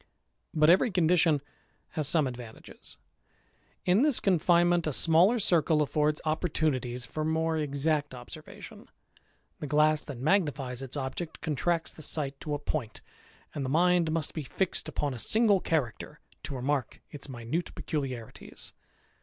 But every condition has some advantages. In this con finement, a smaller circle affords opportunities for more exact observation. The glass that magnifies its object cxjntracts the sight to a point ; and the mind must be fixed upon a single character to remark its minute peculiarities.